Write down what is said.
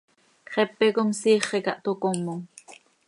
Xepe com siixi ca toc comom.